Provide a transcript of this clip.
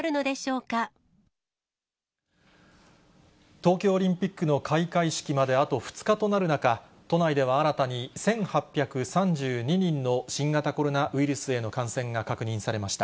東京オリンピックの開会式まであと２日となる中、都内では新たに、１８３２人の新型コロナウイルスへの感染が確認されました。